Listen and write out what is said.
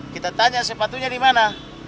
kita tanya sepatunya di mana